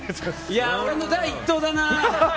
俺の第１投だな。